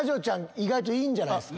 意外といいんじゃないですか。